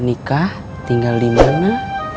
nikah tinggal dimana